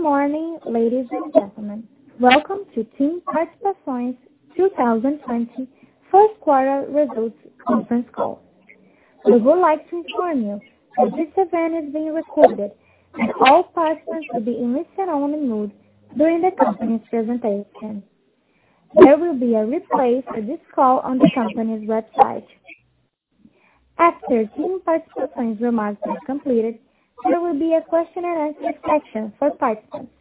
Good morning, ladies and gentlemen. Welcome to TIM Participações 2020 first quarter results conference call. We would like to inform you that this event is being recorded, and all participants should be in listen-only mode during the company's presentation. There will be a replay for this call on the company's website. After TIM Participações remarks are completed, there will be a question and answer section for participants.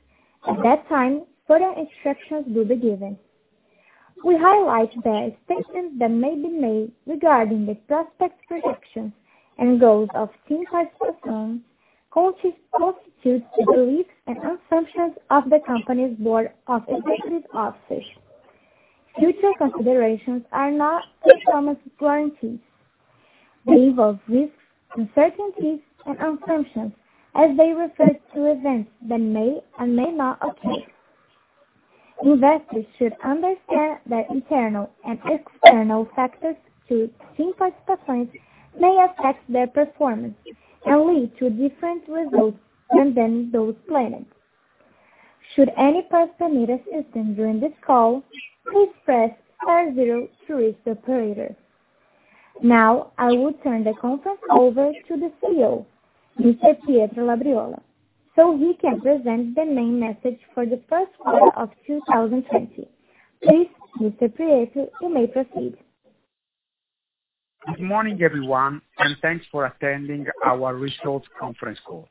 At that time, further instructions will be given. We highlight that statements that may be made regarding the prospects, projections, and goals of TIM Participações constitute the beliefs and assumptions of the company's board of executive officers. Future considerations are not performance guarantees. They involve risks, uncertainties, and assumptions as they refer to events that may or may not occur. Investors should understand that internal and external factors to TIM Participações may affect their performance and lead to different results than those planned. Should any person need assistance during this call, please press star zero to reach the operator. Now, I will turn the conference over to the CEO, Mr. Pietro Labriola, so he can present the main message for the first quarter of 2020. Please, Mr. Pietro, you may proceed. Good morning, everyone. Thanks for attending our results conference call.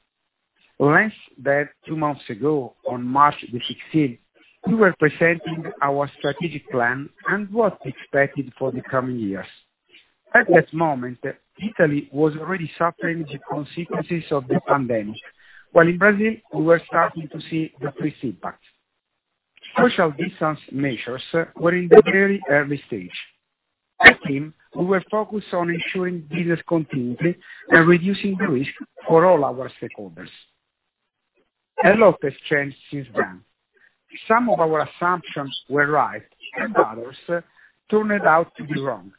Less than two months ago, on March the 16th, we were presenting our strategic plan and what's expected for the coming years. At that moment, Italy was already suffering the consequences of the pandemic, while in Brazil we were starting to see the first impact. Social distance measures were in the very early stage. At TIM, we were focused on ensuring business continuity and reducing risk for all our stakeholders. A lot has changed since then. Some of our assumptions were right and others turned out to be wrong.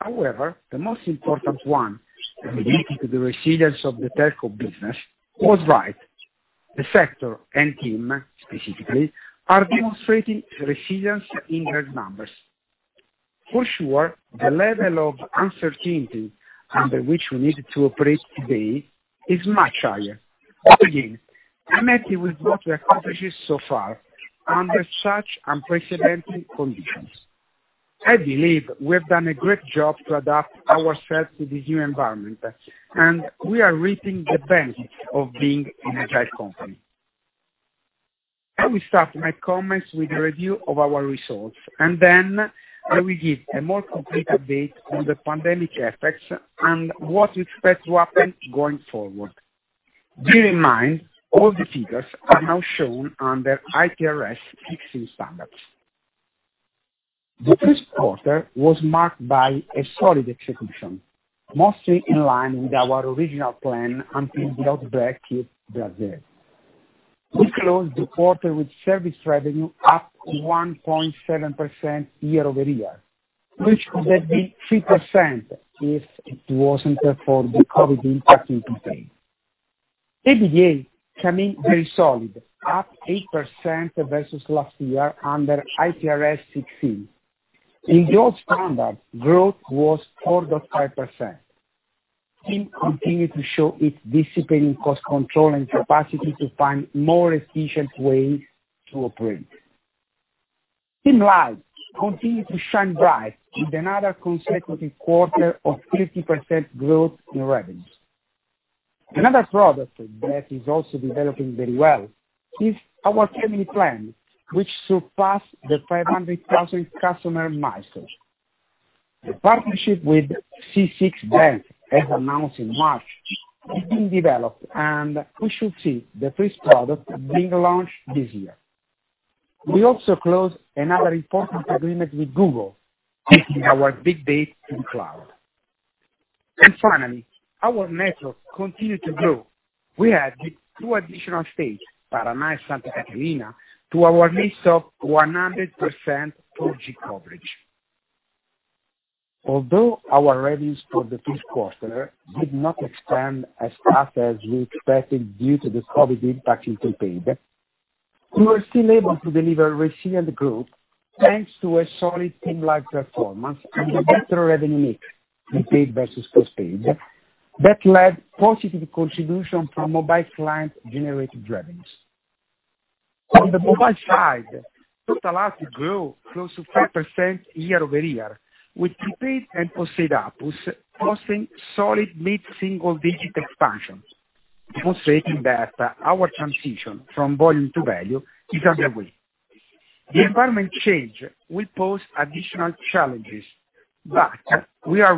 However, the most important one related to the resilience of the telco business was right. The sector and TIM specifically are demonstrating resilience in hard numbers. For sure, the level of uncertainty under which we need to operate today is much higher. Again, I'm happy with what we accomplished so far under such unprecedented conditions. I believe we have done a great job to adapt ourselves to the new environment, and we are reaping the benefits of being an agile company. I will start my comments with a review of our results, and then I will give a more complete update on the pandemic effects and what we expect to happen going forward. Bear in mind, all the figures are now shown under IFRS 16 standards. The first quarter was marked by a solid execution, mostly in line with our original plan until the outbreak hit Brazil. We closed the quarter with service revenue up 1.7% year-over-year, which could have been 3% if it wasn't for the COVID-19 impact in Brazil. EBITDA came in very solid, up 8% versus last year under IFRS 16. In those standards, growth was 4.5%. TIM continued to show its discipline in cost control and capacity to find more efficient ways to operate. TIM Live continued to shine bright with another consecutive quarter of 50% growth in revenue. Another product that is also developing very well is our family plan, which surpassed the 500,000 customer milestone. The partnership with C6 Bank, as announced in March, is being developed, and we should see the first product being launched this year. We also closed another important agreement with Google, taking our big bet in cloud. Finally, our network continued to grow. We added two additional states, Paraná and Santa Catarina, to our list of 100% 4G coverage. Although our revenues for the first quarter did not expand as fast as we expected due to this COVID impact in Brazil, we were still able to deliver resilient growth thanks to a solid TIM Live performance and a better revenue mix, prepaid versus postpaid, that led positive contribution from mobile client generated revenues. On the mobile side, total ARPU grew close to 5% year-over-year, with prepaid and postpaid ARPU posting solid mid-single digit expansion, demonstrating that our transition from volume to value is underway. We are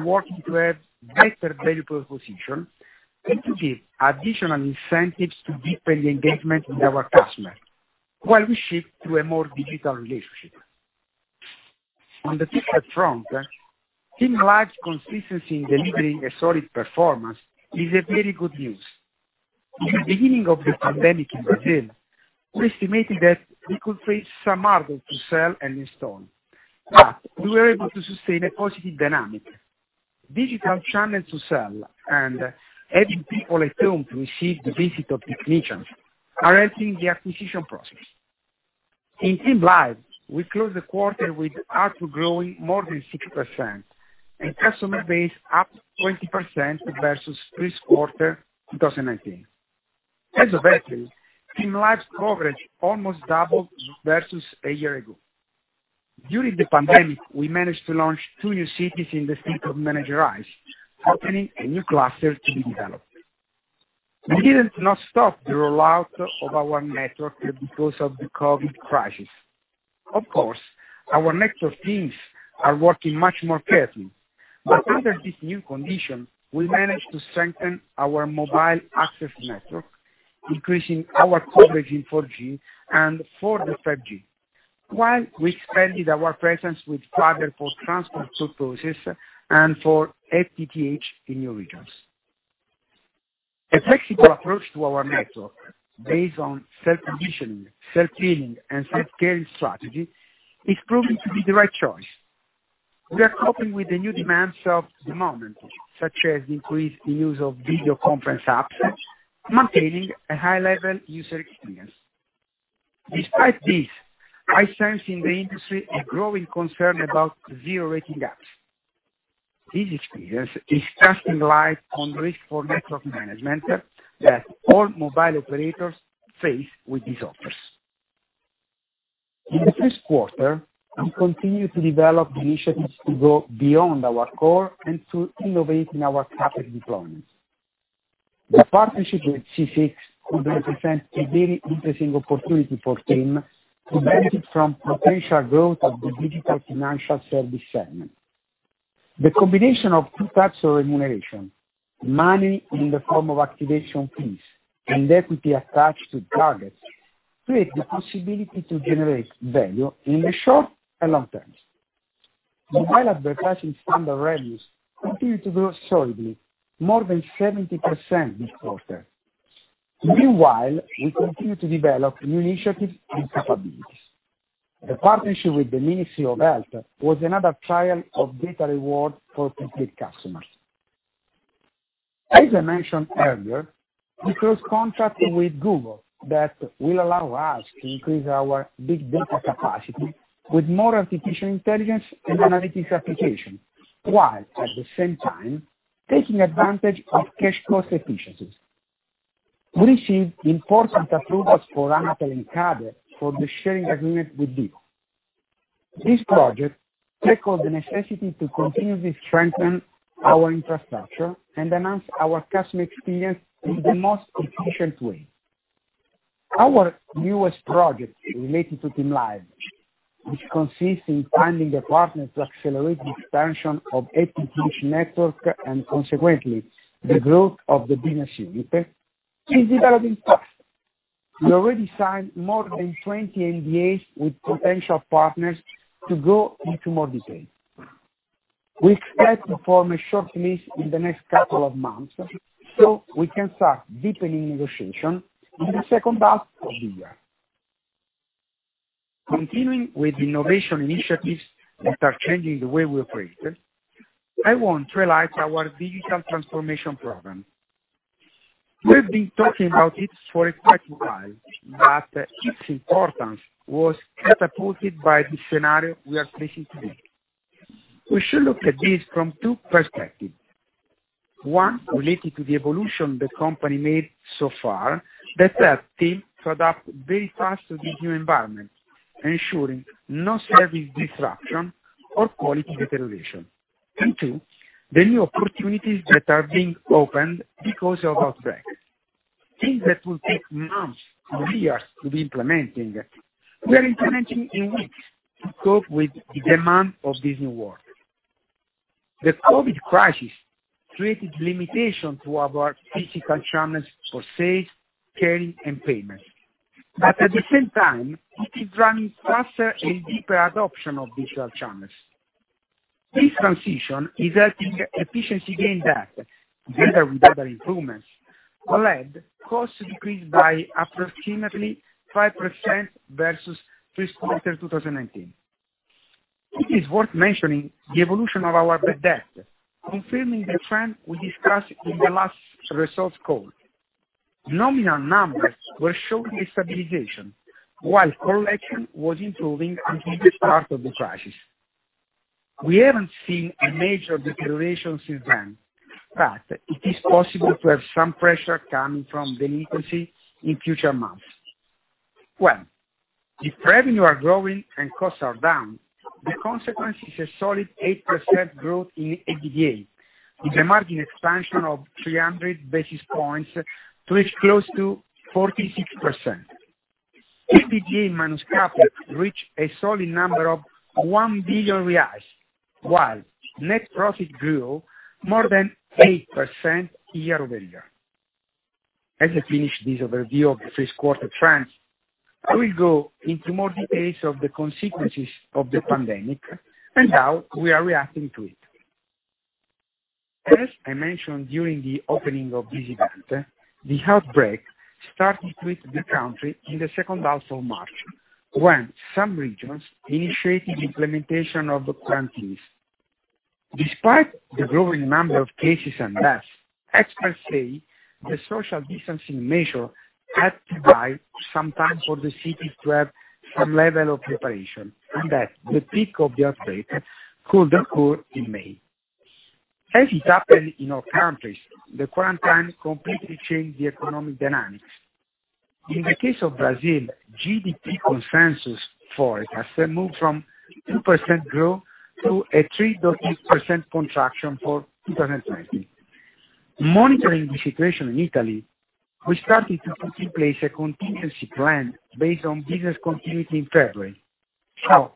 working to have better value proposition and to give additional incentives to deepen the engagement with our customers while we shift to a more digital relationship. On the fixed front, TIM Live consistency in delivering a solid performance is a very good news. In the beginning of the pandemic in Brazil, we estimated that we could face some hurdles to sell and install, but we were able to sustain a positive dynamic. Digital channels to sell and helping people at home to receive the visit of technicians are helping the acquisition process. In TIM Live, we closed the quarter with ARPU growing more than 6% and customer base up 20% versus Q1 2019. As a result, TIM Live coverage almost doubled versus a year ago. During the pandemic, we managed to launch two new cities in the state of Minas Gerais, opening a new cluster to be developed. We did not stop the rollout of our network because of the COVID crisis. Of course, our network teams are working much more carefully. Under this new condition, we managed to strengthen our mobile access network, increasing our coverage in 4G and further 5G, while we expanded our presence with fiber for transport purposes and for FTTH in new regions. A flexible approach to our network based on self-conditioning, self-healing, and self-care strategy is proving to be the right choice. We are coping with the new demands of the moment, such as increased use of video conference apps, maintaining a high-level user experience. Despite this, I sense in the industry a growing concern about zero-rating apps. This experience is casting light on risk for network management that all mobile operators face with these offers. In the first quarter, we continued to develop initiatives to go beyond our core and to innovate in our traffic deployments. The partnership with C6 could represent a very interesting opportunity for TIM to benefit from potential growth of the digital financial service segment. The combination of two types of remuneration, money in the form of activation fees and equity attached to targets, create the possibility to generate value in the short and long terms. Mobile advertising standard revenues continue to grow solidly, more than 70% this quarter. We continue to develop new initiatives and capabilities. The partnership with the Ministry of Health was another trial of data reward for complete customers. As I mentioned earlier, we closed contract with Google that will allow us to increase our big data capacity with more artificial intelligence and analytics application, while at the same time, taking advantage of cash cost efficiencies. We received important approvals for Anatel and CADE for the sharing agreement with Vivo. This project tackled the necessity to continuously strengthen our infrastructure and enhance our customer experience in the most efficient way. Our newest project related to TIM Live, which consists in finding a partner to accelerate the expansion of FTTH network and consequently the growth of the business unit, is developing fast. We already signed more than 20 NDAs with potential partners to go into more detail. We expect to form a short list in the next couple of months, so we can start deepening negotiation in the second half of the year. Continuing with innovation initiatives that are changing the way we operate, I want to highlight our digital transformation program. We've been talking about it for quite a while, but its importance was catapulted by the scenario we are facing today. We should look at this from two perspectives. One, related to the evolution the company made so far that helped TIM to adapt very fast to the new environment, ensuring no service disruption or quality deterioration. Two, the new opportunities that are being opened because of outbreak. Things that will take months or years to be implementing, we are implementing in weeks to cope with the demand of this new world. The COVID crisis created limitation to our physical channels for sales, caring, and payment. At the same time, it is driving faster and deeper adoption of digital channels. This transition is helping efficiency gain that, together with other improvements, led cost to decrease by approximately 5% versus Q1 2019. It is worth mentioning the evolution of our bad debt, confirming the trend we discussed in the last results call. Nominal numbers were showing a stabilization, while collection was improving until the start of the crisis. We haven't seen a major deterioration since then, but it is possible to have some pressure coming from delinquency in future months. Well, if revenue are growing and costs are down, the consequence is a solid 8% growth in EBITDA, with a margin expansion of 300 basis points to reach close to 46%. EBITDA minus CapEx reached a solid number of 1 billion reais, while net profit grew more than 8% year-over-year. As I finish this overview of the first quarter trends, I will go into more details of the consequences of the pandemic and how we are reacting to it. As I mentioned during the opening of this event, the outbreak started with the country in the second half of March, when some regions initiated implementation of the quarantines. Despite the growing number of cases and deaths, experts say the social distancing measure had to buy some time for the cities to have some level of preparation, and that the peak of the outbreak could occur in May. It happened in all countries, the quarantine completely changed the economic dynamics. In the case of Brazil, GDP consensus for it has moved from 2% growth to a 3.8% contraction for 2020. Monitoring the situation in Italy, we started to put in place a contingency plan based on business continuity in February.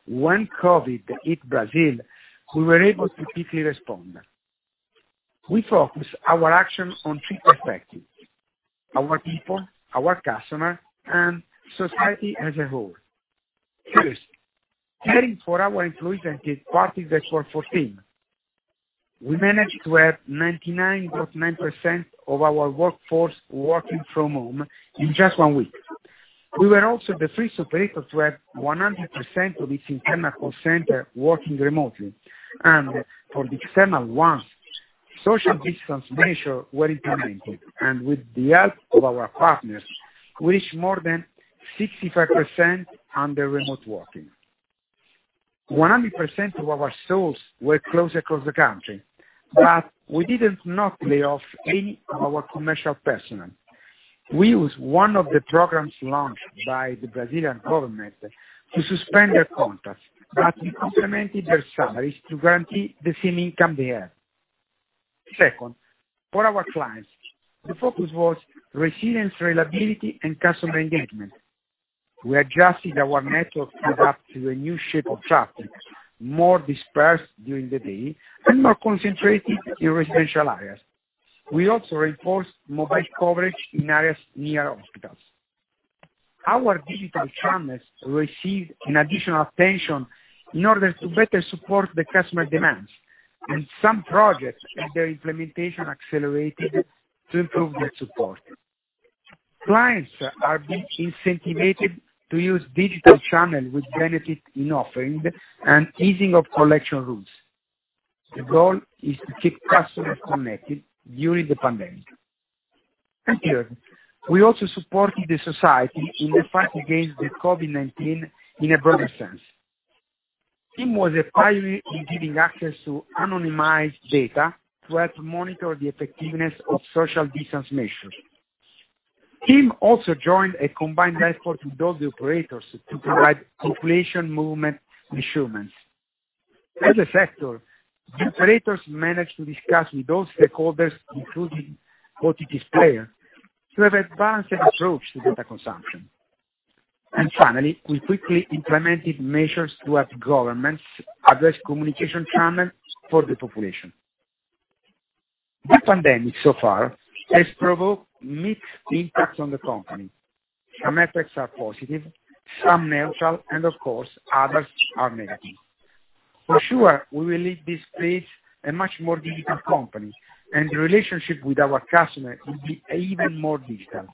When COVID hit Brazil, we were able to quickly respond. We focused our actions on three perspectives. Our people, our customer, and society as a whole. First, caring for our employees and their parties at TIM was first. We managed to have 99.9% of our workforce working from home in just one week. We were also the first operator to have 100% of its internal call center working remotely. For the external ones, social distance measures were implemented, and with the help of our partners, we reached more than 65% under remote working. 100% of our stores were closed across the country, we didn't lay off any of our commercial personnel. We used one of the programs launched by the Brazilian government to suspend their contracts, we complemented their salaries to guarantee the same income they had. Second, for our clients, the focus was resilience, reliability, and customer engagement. We adjusted our network to adapt to a new shape of traffic, more dispersed during the day and more concentrated in residential areas. We also reinforced mobile coverage in areas near hospitals. Our digital channels received additional attention in order to better support the customer demands, and some projects had their implementation accelerated to improve their support. Clients are being incentivized to use d`igital channels with benefits in offering and easing of collection rules. The goal is to keep customers connected during the pandemic. Third, we also supported the society in the fight against the COVID-19 in a broader sense. TIM was a pioneer in giving access to anonymized data to help monitor the effectiveness of social distance measures. TIM also joined a combined effort with other operators to provide population movement measurements. As a sector, the operators managed to discuss with those stakeholders, including OTT players, to have advanced approach to data consumption. Finally, we quickly implemented measures to help governments address communication channels for the population. The pandemic so far has provoked mixed impacts on the company. Some effects are positive, some neutral, and of course, others are negative. For sure, we will leave this phase a much more digital company, and the relationship with our customer will be even more digital.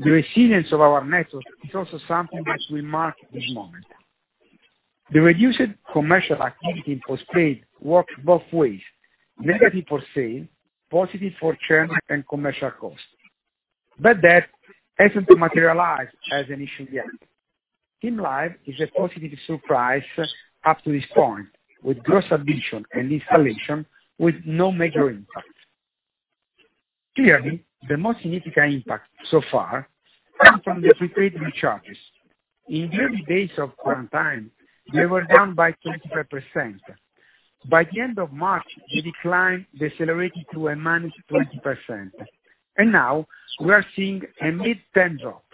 The resilience of our network is also something that will mark this moment. The reduced commercial activity in post-paid works both ways, negative for sale, positive for churn and commercial cost. That hasn't materialized as an issue yet. TIM Live is a positive surprise up to this point, with gross addition and installation with no major impact. Clearly, the most significant impact so far comes from the prepaid recharges. In the early days of quarantine, they were down by 25%. By the end of March, the decline decelerated to a managed 20%. Now we are seeing a mid-teen drop.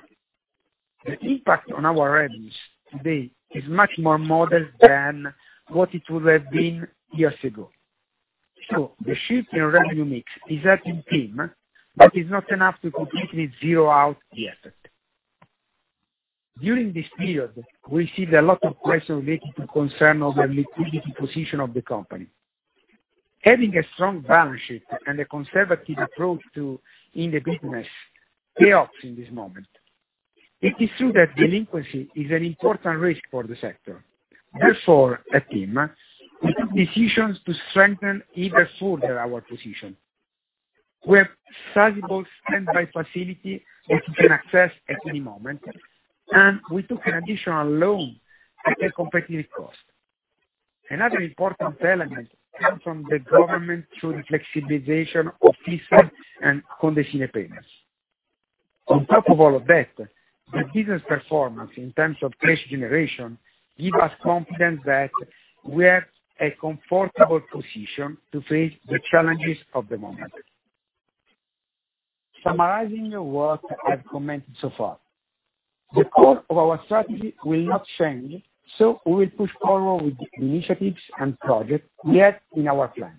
The impact on our revenues today is much more modest than what it would have been years ago. The shift in revenue mix is hurting TIM, but it's not enough to completely zero out the effect. During this period, we see a lot of pressure related to concern over liquidity position of the company. Having a strong balance sheet and a conservative approach in the business pays off in this moment. It is true that delinquency is an important risk for the sector. Therefore, at TIM, we took decisions to strengthen even further our position. We have sizable standby facility that we can access at any moment, and we took an additional loan at a competitive cost. Another important element comes from the government through the flexibilization of fees and condition payments. On top of all of that, the business performance in terms of cash generation gives us confidence that we are at a comfortable position to face the challenges of the moment. Summarizing what I've commented so far, the core of our strategy will not change. We will push forward with the initiatives and projects we have in our plan.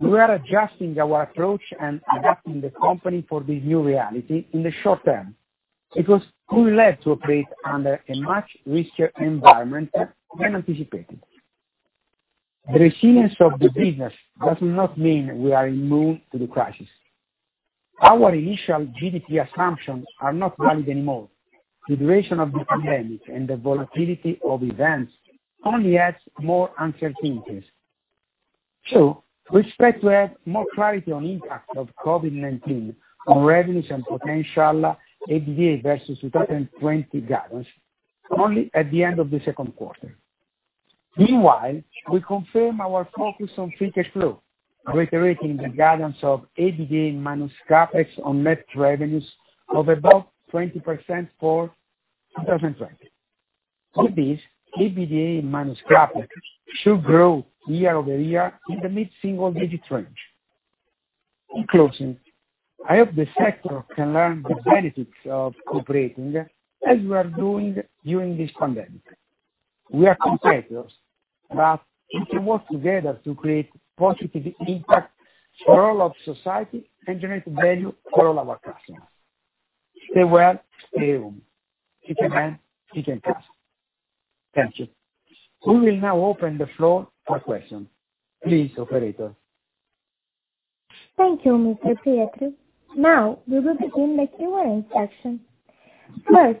We are adjusting our approach and adapting the company for the new reality in the short term because we will have to operate under a much riskier environment than anticipated. The resilience of the business does not mean we are immune to the crisis. Our initial GDP assumptions are not valid anymore. The duration of the pandemic and the volatility of events only adds more uncertainties. We expect to have more clarity on impact of COVID-19 on revenues and potential delta versus 2020 guidance only at the end of the second quarter. Meanwhile, we confirm our focus on free cash flow, reiterating the guidance of EBITDA minus CapEx on net revenues of above 20% for 2020. Of this, EBITDA minus CapEx should grow year-over-year in the mid-single digit range. In closing, I hope the sector can learn the benefits of cooperating as we are doing during this pandemic. We are competitors, but we can work together to create positive impact for all of society and generate value for all our customers. Stay well, stay home. Keep your hands, keep your distance. Thank you. We will now open the floor for questions. Please, operator. Thank you, Mr. Pietro. We will begin the Q&A section. First,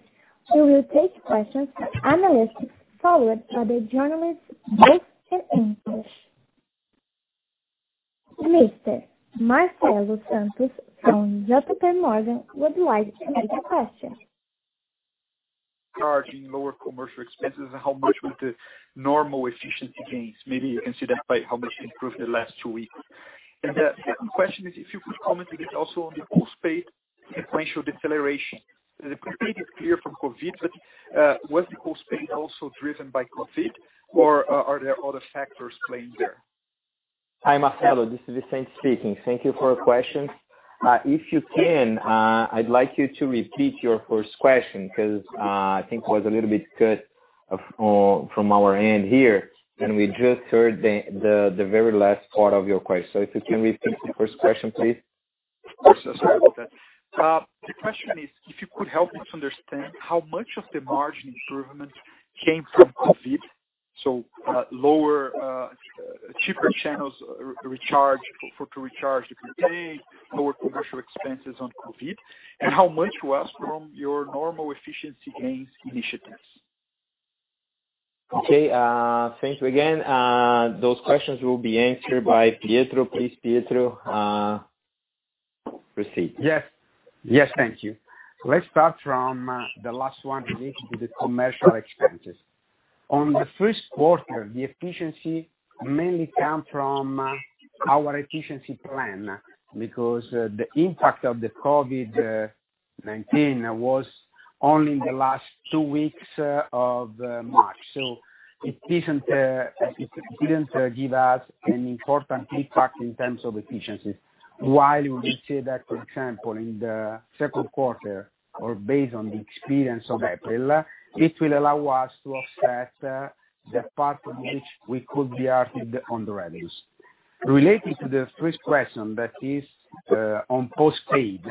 we will take questions from analysts, followed by the journalists, both in English. Mr. Marcelo Santos from JPMorgan would like to make a question. Charging lower commercial expenses and how much were the normal efficiency gains? Maybe you can see that by how much you improved in the last two weeks. The second question is, if you could comment a bit also on the postpaid sequential deceleration. The prepaid is clear from COVID, but was the postpaid also driven by COVID or are there other factors playing there? Hi, Marcelo, this is Vicente speaking. Thank you for your questions. If you can, I'd like you to repeat your first question because I think it was a little bit cut from our end here, and we just heard the very last part of your question. If you can repeat the first question, please. Sorry about that. The question is, if you could help us understand how much of the margin improvement came from COVID, so cheaper channels to recharge the prepaid, lower commercial expenses on COVID, and how much was from your normal efficiency gains initiatives? Okay, thank you again. Those questions will be answered by Pietro. Please, Pietro, proceed. Yes. Thank you. Let's start from the last one related to the commercial expenses. On the first quarter, the efficiency mainly came from our efficiency plan because the impact of the COVID-19 was only in the last two weeks of March. It didn't give us an important impact in terms of efficiencies. While we will see that, for example, in the second quarter or based on the experience of April, it will allow us to assess the part of which we could be active on the revenues. Related to the first question that is on postpaid,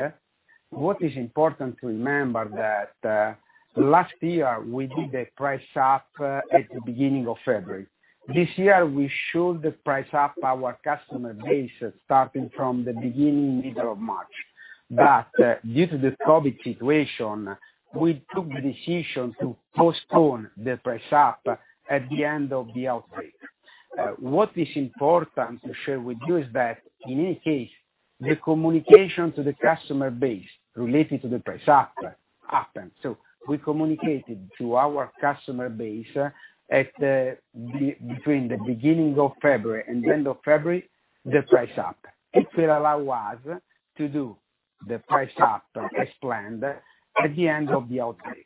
what is important to remember that last year we did a price up at the beginning of February. This year, we should price up our customer base starting from the beginning, middle of March. Due to the COVID situation, we took the decision to postpone the price up at the end of the outbreak. What is important to share with you is that in any case, the communication to the customer base related to the price up happened. We communicated to our customer base between the beginning of February and the end of February, the price up. It will allow us to do the price up as planned at the end of the outbreak.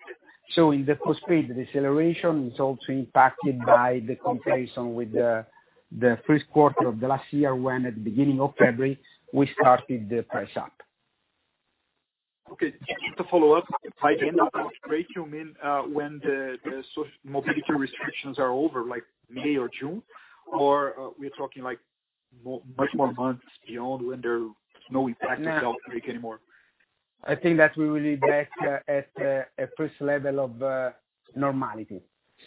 In the postpaid, the deceleration is also impacted by the comparison with the first quarter of last year when at the beginning of February, we started the price up. Okay. Just to follow up. By the end of the outbreak, you mean when the social mobility restrictions are over, like May or June, or we're talking much more months beyond when there are no impacts of the outbreak anymore? I think that we will be back at a first level of normality.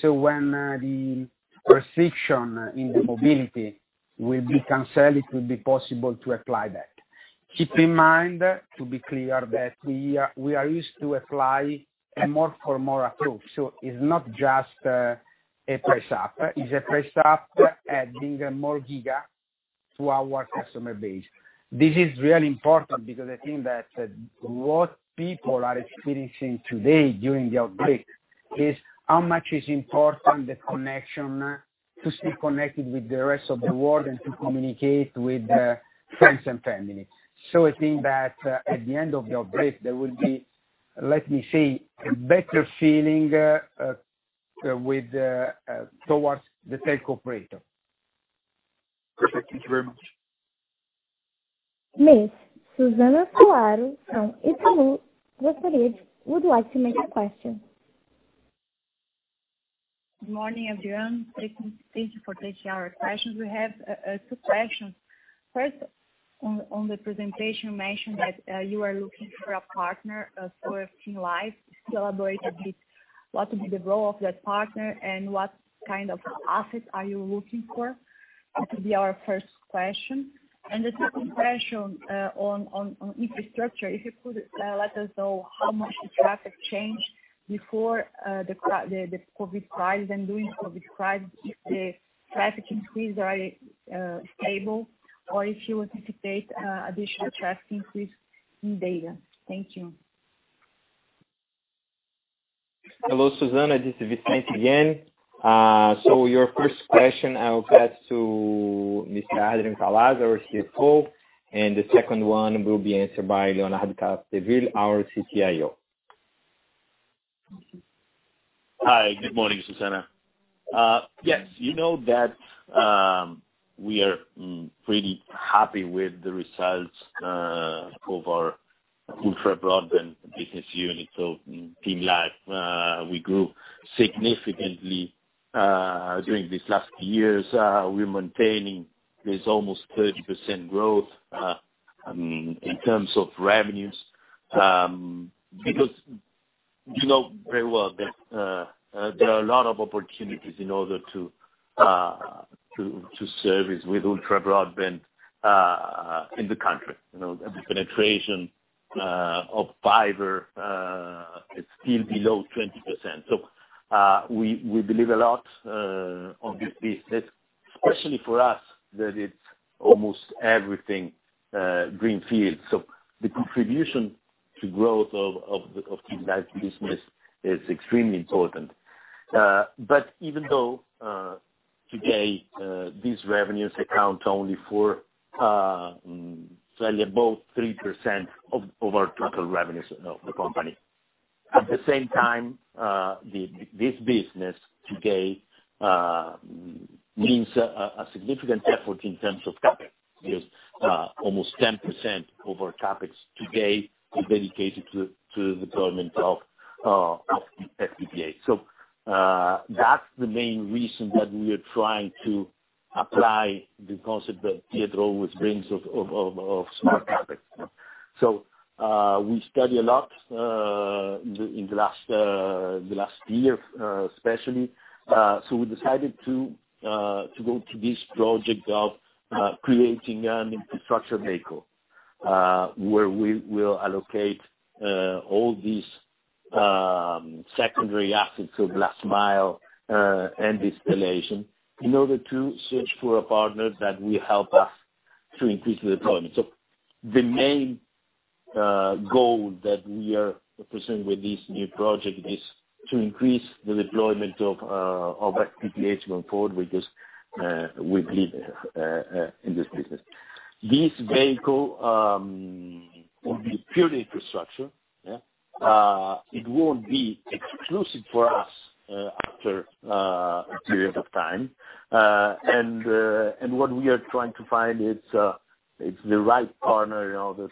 When the restriction in the mobility will be canceled, it will be possible to apply that. Keep in mind, to be clear, that we are used to apply more for more approach. It's not just a price up. It's a price up adding more giga to our customer base. This is really important because I think that what people are experiencing today during the outbreak is how much is important the connection to stay connected with the rest of the world and to communicate with friends and family. I think that at the end of the outbreak, there will be, let me say, a better feeling towards the telco operator. Perfect. Thank you very much. Miss Susana Salaru from Itaú BBA would like to make a question. Good morning, everyone. Thank you for taking our questions. We have two questions. First, on the presentation, you mentioned that you are looking for a partner for TIM Live. Can you elaborate a bit what will be the role of that partner, and what kind of assets are you looking for? That will be our first question. The second question on infrastructure, if you could let us know how much the traffic changed before the COVID crisis and during COVID crisis, if the traffic increase is stable, or if you anticipate additional traffic increase in data. Thank you. Hello, Susana, this is Vicente again. Your first question I will pass to Mr. Adrian Calaza, our CFO, and the second one will be answered by Leonardo Capdeville, our CTIO. Hi. Good morning, Susana. Yes, you know that we are pretty happy with the results of our ultra broadband business unit, so TIM Live. We grew significantly during this last year. We're maintaining this almost 30% growth in terms of revenues. You know very well there are a lot of opportunities in order to service with ultra broadband in the country. The penetration of fiber is still below 20%. We believe a lot on this business, especially for us, that it's almost everything greenfield. The contribution to growth of TIM Live business is extremely important. Even though today, these revenues account only for slightly above 3% of our total revenues of the company. At the same time, this business today means a significant effort in terms of CapEx, because almost 10% of our CapEx today is dedicated to the deployment of FTTH. That's the main reason that we are trying to apply the concept that Pietro always brings of smart CapEx. We study a lot in the last year, especially, so we decided to go to this project of creating an infrastructure vehicle, where we will allocate all these secondary assets, so last mile and distribution, in order to search for a partner that will help us to increase the deployment. The main goal that we are presenting with this new project is to increase the deployment of FTTH going forward with this, we believe, in this business. This vehicle will be pure infrastructure. It won't be exclusive for us after a period of time. What we are trying to find it's the right partner in order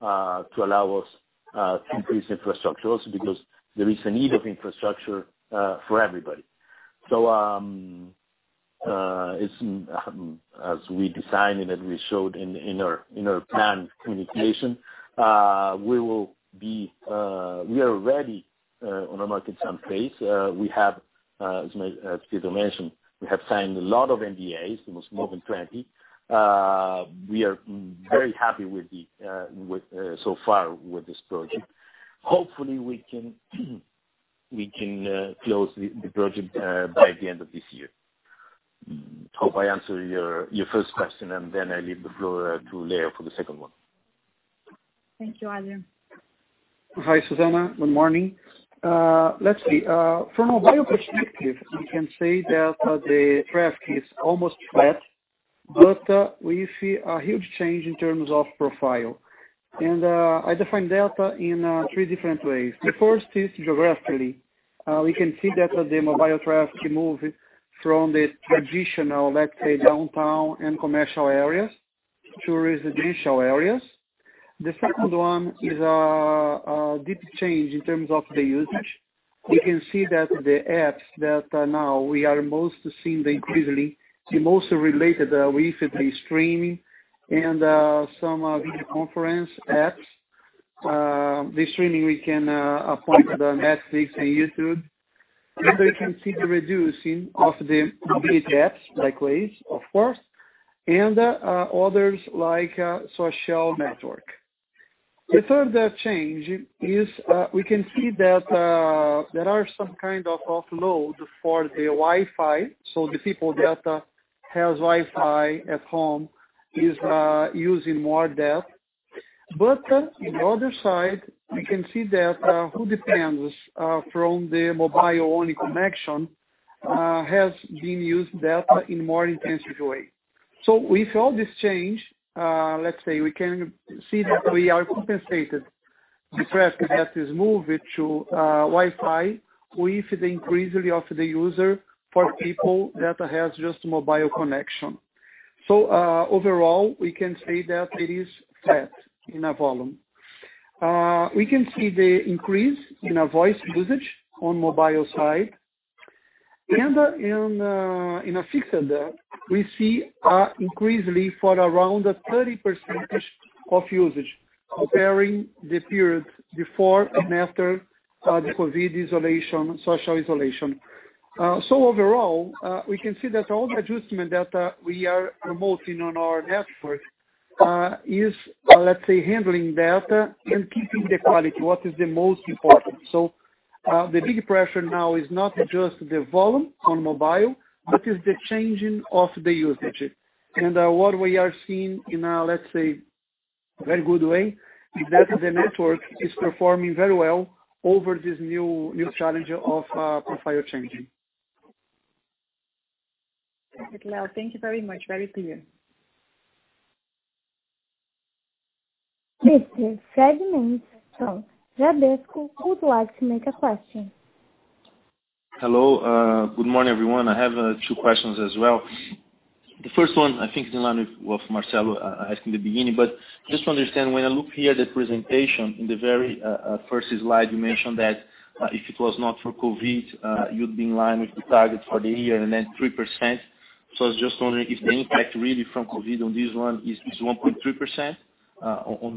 to allow us to increase infrastructure also because there is a need of infrastructure for everybody. As we designed and as we showed in our planned communication, we are ready on a market sounding phase. As Pietro mentioned, we have signed a lot of NDAs, almost more than 20. We are very happy so far with this project. Hopefully, we can close the project by the end of this year. Hope I answered your first question, and then I leave the floor to Leo for the second one. Thank you, Adrian. Hi, Susana. Good morning. Let's see. From a mobile perspective, we can say that the traffic is almost flat, we see a huge change in terms of profile. I define data in three different ways. The first is geographically. We can see that the mobile traffic moved from the traditional, let's say, downtown and commercial areas to residential areas. The second one is a deep change in terms of the usage. We can see that the apps that now we are most seeing increasingly, mostly related with the streaming and some video conference apps. The streaming we can point to the Netflix and YouTube. We can see the reducing of the big apps like Waze, of course, and others like social network. The third change is we can see that there are some kind of offload for the Wi-Fi, so the people that has Wi-Fi at home is using more data. In the other side, we can see that who depends from the mobile-only connection has been used data in more intensive way. With all this change, let's say we can see that we are compensated. The traffic that is moved to Wi-Fi, we see the increasingly of the user for people that has just mobile connection. Overall, we can say that it is flat in a volume. We can see the increase in voice usage on mobile side. In a fixed add, we see increasingly for around 30% of usage comparing the period before and after the COVID-19 social isolation. Overall, we can see that all the adjustment data we are promoting on our network is, let's say, handling data and keeping the quality what is the most important. The big pressure now is not just the volume on mobile, but is the changing of the usage. What we are seeing in a, let's say, very good way, is that the network is performing very well over this new challenge of profile changing. Perfect. Leo, thank you very much. Very clear. This is Fred Mendes from Banco Bradesco who would like to make a question. Hello. Good morning, everyone. I have two questions as well. The first one, I think is in line with Marcelo asking the beginning, but just to understand, when I look here at the presentation in the very first slide, you mentioned that if it was not for COVID-19, you'd be in line with the target for the year and then 3%. I was just wondering if the impact really from COVID-19 on this one is 1.3%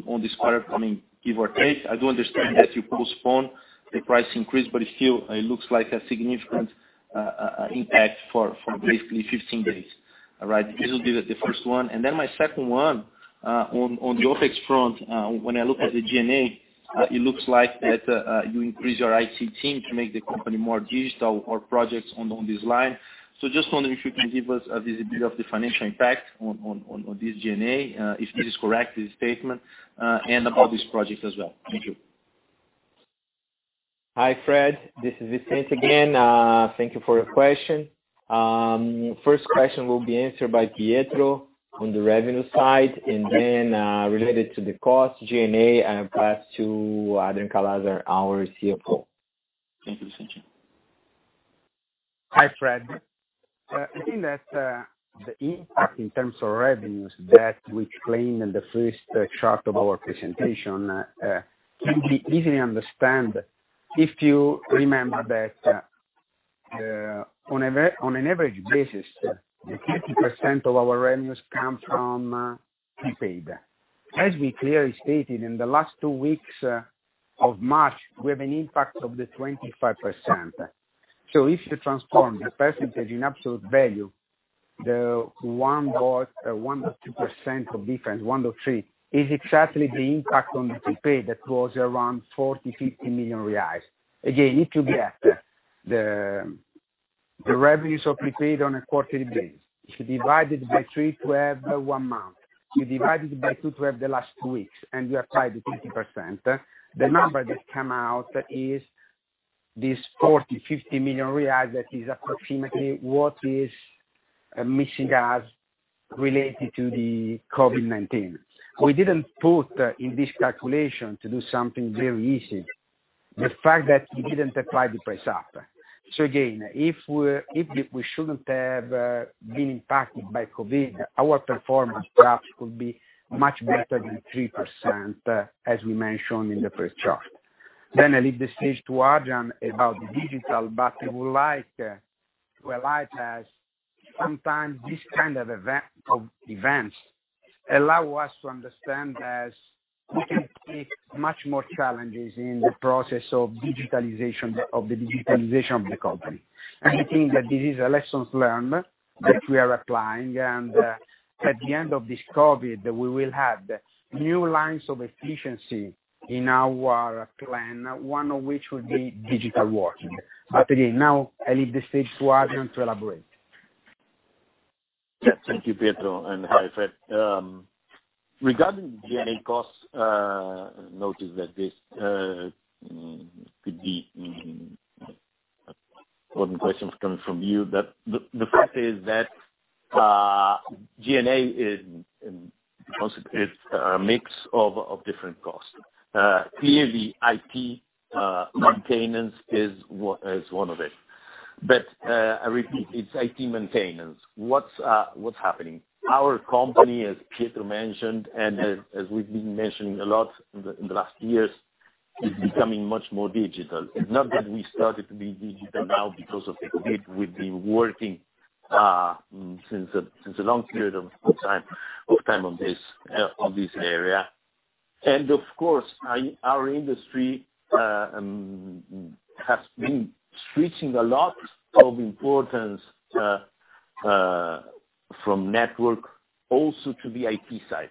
on this quarter, I mean, give or take? I do understand that you postponed the price increase, but still, it looks like a significant impact for basically 15 days. Right? This will be the first one. My second one, on the OpEx front, when I look at the G&A, it looks like that you increase your IT team to make the company more digital or projects on this line. Just wondering if you can give us a visibility of the financial impact on this G&A, if this is correct, this statement, and about this project as well. Thank you. Hi, Fred. This is Vicente again. Thank you for your question. First question will be answered by Pietro on the revenue side. Related to the cost, G&A, I'll pass to Adrian Calaza, our CFO. Thank you, Vicente. Hi, Fred. I think that the impact in terms of revenues that we claim in the first chart of our presentation can be easily understood if you remember that on an average basis, 50% of our revenues come from prepaid. As we clearly stated, in the last two weeks of March, we have an impact of the 25%. If you transform the percentage in absolute value, the 1.2% of difference, 1.3, is exactly the impact on the prepaid that was around 40 million reais, 50 million reais. Again, if you get the revenues of prepaid on a quarterly basis, if you divide it by three to have one month, you divide it by two to have the last two weeks, and you apply the 20%, the number that come out is this 40 million, 50 million reais that is approximately what is missing as related to the COVID-19. We didn't put in this calculation to do something very easy, the fact that we didn't apply the price up. Again, if we shouldn't have been impacted by COVID, our performance perhaps could be much better than 3%, as we mentioned in the first chart. I leave the stage to Adrian about the digital, but I would like to highlight as sometimes this kind of events allow us to understand as we can see much more challenges in the process of the digitalization of the company. I think that this is a lessons learned that we are applying, and at the end of this COVID, we will have new lines of efficiency in our plan, one of which would be digital working. Again, now I leave the stage to Adrian to elaborate. Thank you, Pietro, and hi, Fred. Regarding G&A costs, I noticed that this could be important questions coming from you, but the fact is that G&A is a mix of different costs. Clearly, IT maintenance is one of it. I repeat, it's IT maintenance. What's happening? Our company, as Pietro mentioned and as we've been mentioning a lot in the last years, is becoming much more digital. It's not that we started to be digital now because of COVID. We've been working since a long period of time on this area. Of course, our industry has been switching a lot of importance from network also to the IT side.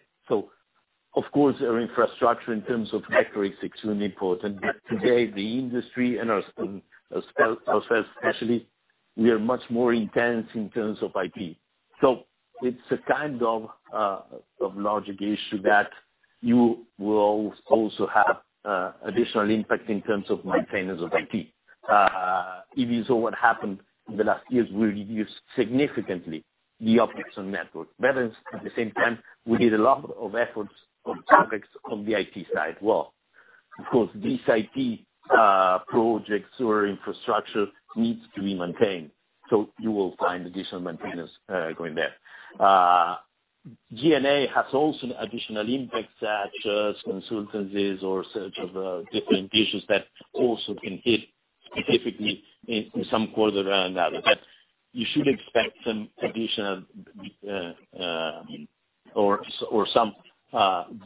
Of course, our infrastructure in terms of networks is extremely important. Today, the industry and ourselves especially, we are much more intense in terms of IT. It's a kind of logic issue that you will also have additional impact in terms of maintenance of IT. If you saw what happened in the last years, we reduced significantly the OpEx on network. At the same time, we did a lot of efforts on CapEx on the IT side as well. Of course, these IT projects or infrastructure needs to be maintained. You will find additional maintenance going there. G&A has also additional impacts such as consultancies or such other different issues that also can hit specifically in some quarter and others. You should expect some additional or some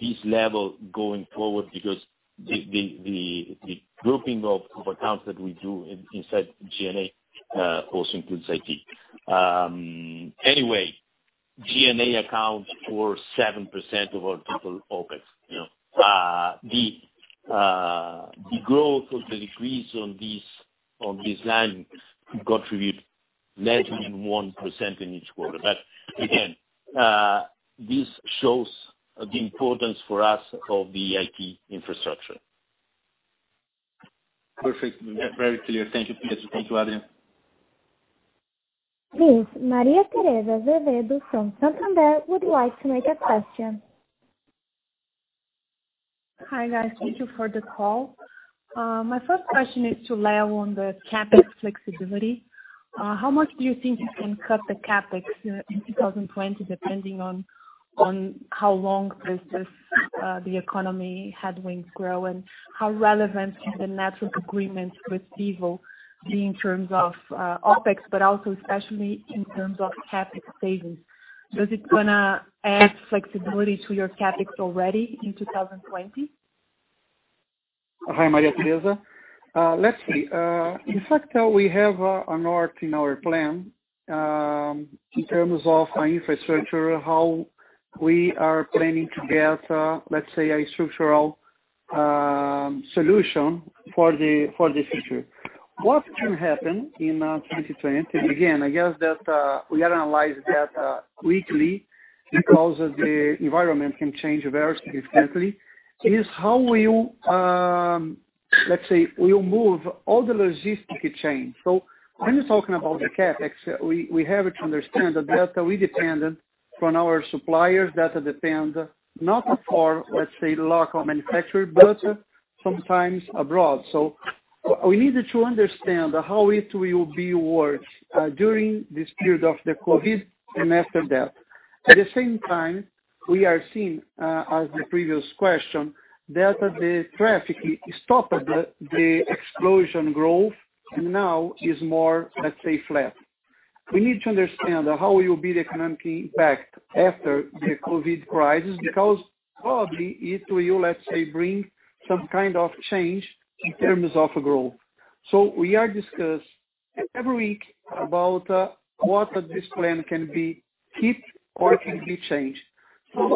this level going forward because the grouping of accounts that we do inside G&A also includes IT. Anyway, G&A accounts for 7% of our total OpEx. The growth or the decrease on this line contribute less than 1% in each quarter. Again, this shows the importance for us of the IT infrastructure. Perfect. Very clear. Thank you. Please talk to Adrian. Please, Maria Tereza Azevedo from Santander would like to make a question. Hi, guys. Thank you for the call. My first question is to Leo on the CapEx flexibility. How much do you think you can cut the CapEx in 2020, depending on how long this economy headwinds grow? How relevant is the network agreement with Vivo in terms of OpEx, but also especially in terms of CapEx savings? Does it going to add flexibility to your CapEx already in 2020? Hi, Maria Tereza. Let's see. In fact, we have a north in our plan, in terms of our infrastructure, how we are planning to get, let's say, a structural solution for the future. What can happen in 2020, again, I guess that we analyze that weekly because the environment can change very significantly, is how we'll, let's say, move all the logistic chain. When you're talking about the CapEx, we have to understand that we dependent from our suppliers that depend not for, let's say, local manufacturer, but sometimes abroad. We need to understand how it will be work during this period of the COVID and after that. At the same time, we are seeing as the previous question, that the traffic stopped the explosion growth now is more, let's say, flat. We need to understand how will be the economic impact after the COVID-19 crisis, because probably it will, let's say, bring some kind of change in terms of growth. We are discuss every week about what this plan can be keep or can be changed.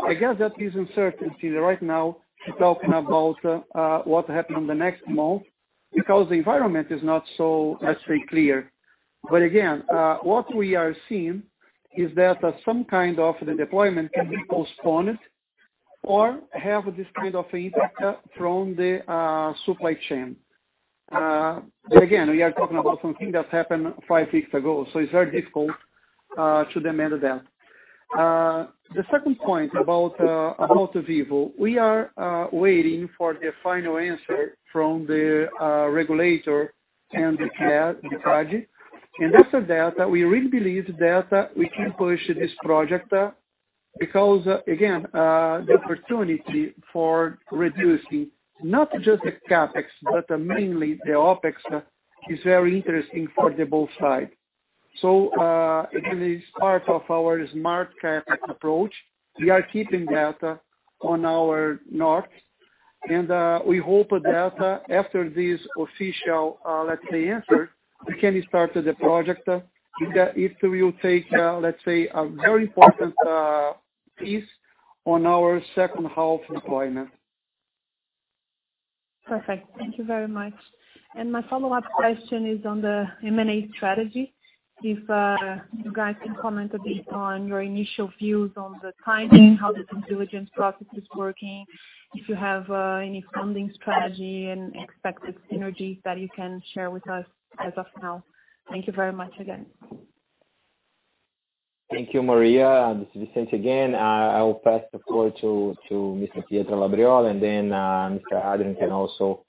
I guess that is uncertainty right now to talking about what happened in the next month because the environment is not so, let's say, clear. Again, what we are seeing is that some kind of the deployment can be postponed or have this kind of impact from the supply chain. Again, we are talking about something that happened five weeks ago, so it's very difficult to demand that. The second point about Vivo. We are waiting for the final answer from the regulator and the project. After that, we really believe that we can push this project because, again, the opportunity for reducing not just the CapEx, but mainly the OpEx, is very interesting for the both side. It is part of our smart CapEx approach. We are keeping that on our north, and we hope that after this official, let's say, answer, we can start the project. It will take, let's say, a very important piece on our second half deployment. Perfect. Thank you very much. My follow-up question is on the M&A strategy. If you guys can comment a bit on your initial views on the timing, how the due diligence process is working, if you have any funding strategy and expected synergies that you can share with us as of now. Thank you very much again. Thank you, Maria. This is Vicente again. I will pass the floor to Mr. Pietro Labriola, and then Mr. Adrian can also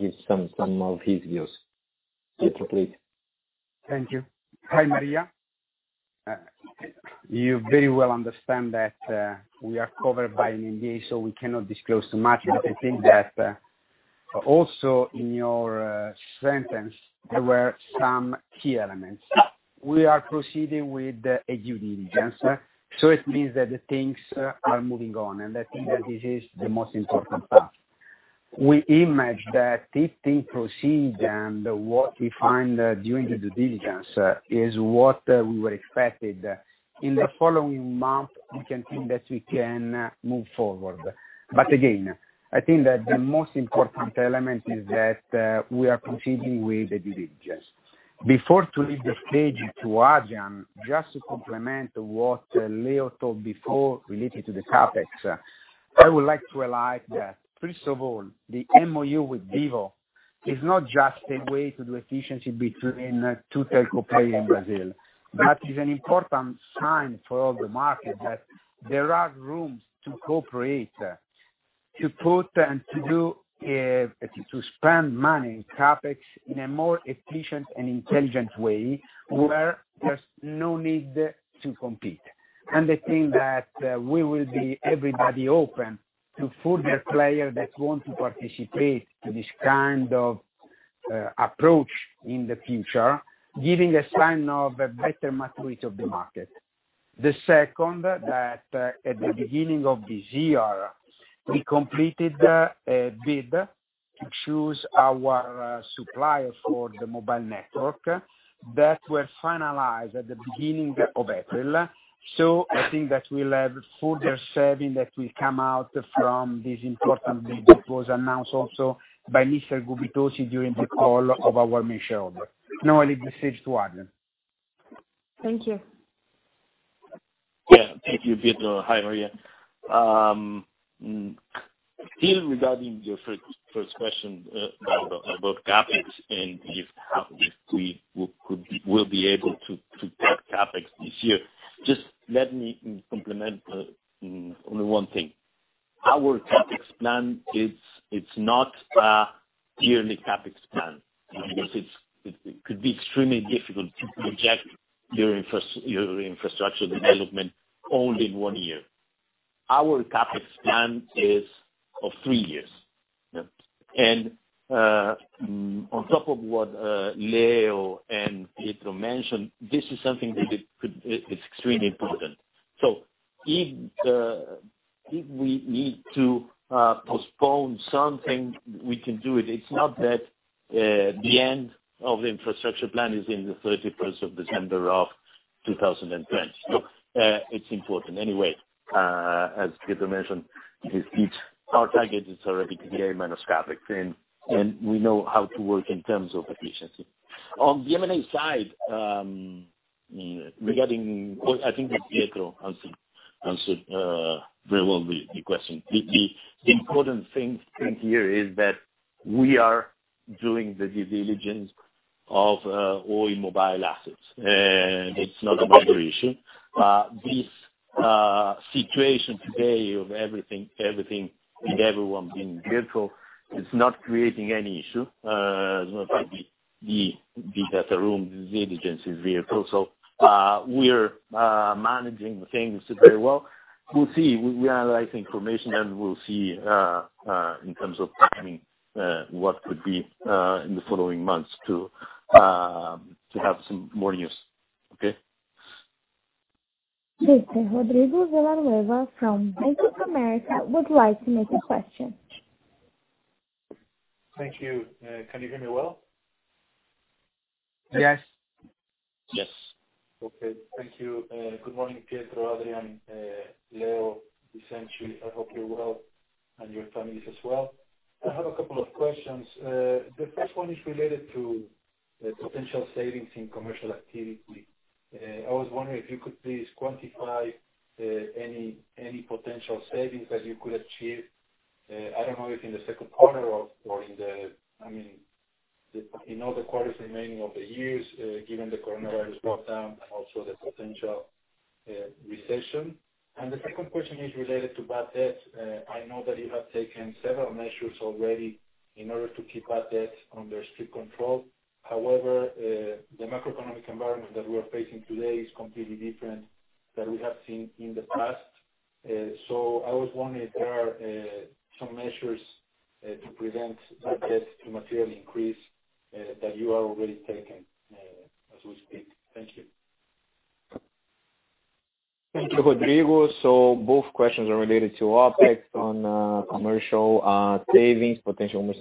give some of his views. Pietro, please. Thank you. Hi, Maria. You very well understand that we are covered by an NDA, so we cannot disclose too much. I think that also in your sentence, there were some key elements. We are proceeding with a due diligence. It means that things are moving on, and I think that this is the most important part. We imagine that if things proceed and what we find during the due diligence is what we were expected, in the following month, we can think that we can move forward. Again, I think that the most important element is that we are proceeding with the due diligence. Before to leave the stage to Adrian, just to complement what Leo told before related to the CapEx, I would like to highlight that first of all, the MoU with Vivo is not just a way to do efficiency between two telco player in Brazil. That is an important sign for all the market that there are rooms to cooperate. To put and to spend money in CapEx in a more efficient and intelligent way where there's no need to compete. I think that we will be, everybody open to further players that want to participate in this kind of approach in the future, giving a sign of a better maturity of the market. The second, that at the beginning of this year, we completed a bid to choose our supplier for the mobile network that was finalized at the beginning of April. I think that we'll have further serving that will come out from this important bid that was announced also by Mr. Gubitosi during the call of our majority shareholder. Now I leave the stage to Adrian. Thank you. Yeah, thank you, Pietro. Hi, how are you? Still regarding your first question about CapEx, and if we will be able to cut CapEx this year. Just let me complement only one thing. Our CapEx plan, it's not a yearly CapEx plan, because it could be extremely difficult to project your infrastructure development only in one year. Our CapEx plan is of three years. On top of what Leo and Pietro mentioned, this is something that is extremely important. If we need to postpone something, we can do it. It's not that the end of the infrastructure plan is on the 31st of December 2020. It's important. Anyway, as Pietro mentioned, our target is already EBITDA minus CapEx, and we know how to work in terms of efficiency. On the M&A side, I think that Pietro answered very well the question. The important thing here is that we are doing the due diligence of all Oi mobile assets. It's not a major issue. This situation today of everything and everyone being virtual is not creating any issue. As a matter of fact, the data room due diligence is virtual. We're managing the things very well. We'll see. We analyze the information. We'll see in terms of timing what could be in the following months to have some more news. Okay? Rodrigo Villanueva from Bank of America would like to make a question. Thank you. Can you hear me well? Yes. Yes. Okay. Thank you. Good morning, Pietro, Adrian, Leo, Vicente. I hope you're well and your families as well. I have a couple of questions. The first one is related to the potential savings in commercial activity. I was wondering if you could please quantify any potential savings that you could achieve, I don't know if in the second quarter or in the quarters remaining of the year, given the coronavirus lockdown and also the potential recession. The second question is related to bad debt. I know that you have taken several measures already in order to keep bad debt under strict control. However, the macroeconomic environment that we're facing today is completely different than we have seen in the past. I was wondering if there are some measures to prevent bad debt to materially increase that you have already taken as we speak. Thank you. Thank you. Thank you, Rodrigo. Both questions are related to OpEx on potential commercial